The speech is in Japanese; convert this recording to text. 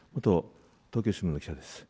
東京新聞の記者です。